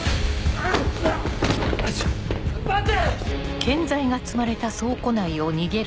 待て！